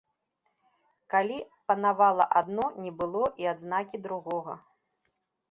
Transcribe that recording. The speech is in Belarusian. Калі панавала адно, не было і адзнакі другога.